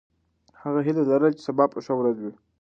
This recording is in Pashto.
هغه هیله لرله چې سبا به ښه ورځ وي.